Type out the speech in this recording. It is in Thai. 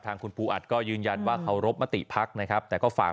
ทางคุณปูอัดก็ยืนยันว่าเคารพมติภักดิ์นะครับแต่ก็ฝาก